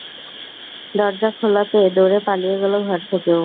দরজা খোলা পেয়ে দৌড়ে পালিয়ে গেল ঘর থেকেও।